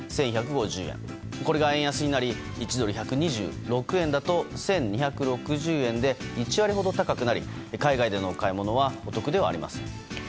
これが円安になり１ドル＝１２６円だと１２６０円で、１割ほど高くなり海外でのお買い物はお得ではありません。